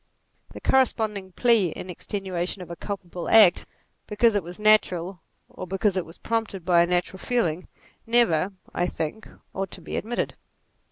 The corresponding plea in extenuation of a culpable act because it was natural, or because it was prompted by a natural feeling, never, I think, ought to be admitted.